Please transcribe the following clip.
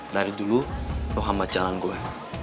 dari dulu lo hambat jalan gue